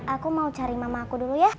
aku mau cari mama aku dulu ya